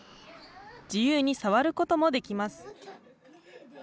自由に触ることもできます。